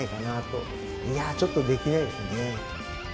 いやちょっとできないですね。